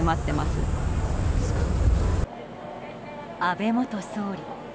安倍元総理。